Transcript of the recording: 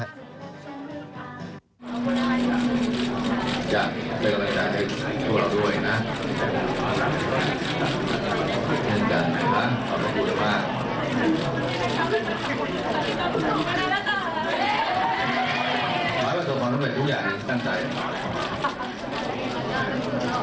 ใครจะเข้าถึงตัวท่านได้ไว้เหมือนกัน๘วินาทีเหมือนกัน๘วินาทีเหมือนกัน๙วินาทีเหมือนกัน๑๐